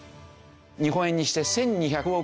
日本円にして１２００億円。